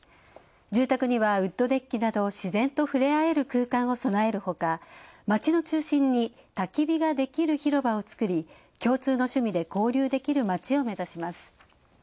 住宅にはウッドデッキなど自然とふれ合える空間を備えるほか街の中心に、たき火ができる広場を作り共通の趣味で交流できる街を目指します。